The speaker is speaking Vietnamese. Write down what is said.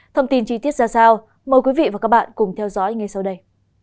thông tin chi tiết ra sao mời quý vị và các bạn cùng theo dõi ngay sau đây